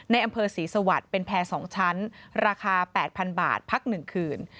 ในอำเภอศรีสวรรค์เป็นแพร่๒ชั้นราคา๘๐๐๐บาทพัก๑คืน